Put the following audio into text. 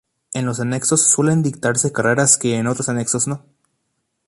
En los anexos suelen dictarse carreras que en otros anexos no.